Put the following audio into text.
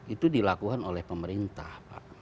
itu dilakukan oleh pemerintah